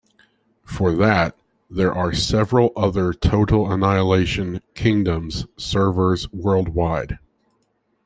For that, there are several other Total Annihilation: Kingdoms servers worldwide.